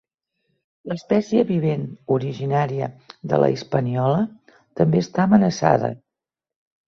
L'espècie vivent, originària de la Hispaniola, també està amenaçada.